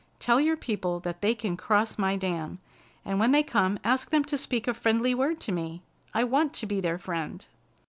Tell your people that they can cross my dam, and when they come ask them to speak a friendly word to me. I want to be their friend."